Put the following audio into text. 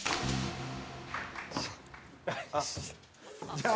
じゃあ。